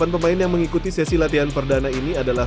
delapan pemain yang mengikuti sesi latihan perdana ini adalah